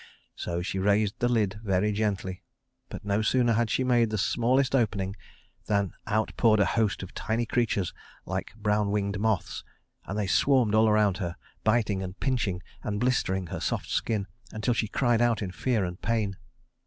So she raised the lid very gently, but no sooner had she made the smallest opening than out poured a host of tiny creatures like brown winged moths; and they swarmed all around her, biting and pinching and blistering her soft skin until she cried out in fear and pain.